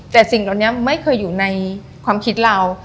แต่สิ่งเหล่านี้ไม่เคยอยู่ในความคิดเรา